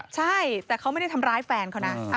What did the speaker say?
ใช่แต่เขาไม่ได้ทำร้ายแฟนเขานะ